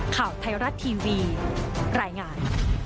ข่าวไทยรัฐทีวีรายงาน